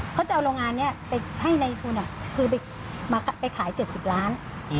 เขาจะเอาโรงงานนี้ไปให้ในทุนคือไปขาย๗๐ล้าน